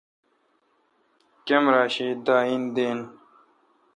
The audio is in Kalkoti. کمرا شی داین دین۔